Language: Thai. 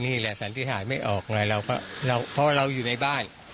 ก็นี่แหละแสนทิศาลไม่ออกไงเราก็เราเราอยู่ในบ้าน